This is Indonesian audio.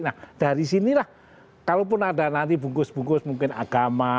nah dari sinilah kalaupun ada nanti bungkus bungkus mungkin agama